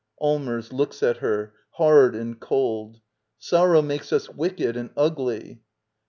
Allmers. [Looks at her, hard and cold.] Sor row makes us wicked and ugly.